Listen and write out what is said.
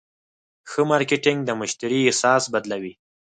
ښه مارکېټنګ د مشتری احساس بدلوي.